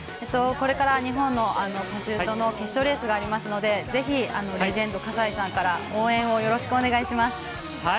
これから日本のパシュートの決勝レースがありますのでぜひレジェンドの葛西さんから応援をよろしくお願いします。